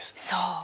そう。